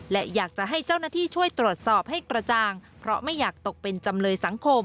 และอยากจะให้เจ้าหน้าที่ช่วยตรวจสอบให้กระจ่างเพราะไม่อยากตกเป็นจำเลยสังคม